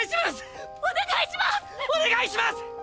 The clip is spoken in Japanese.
お願いします！！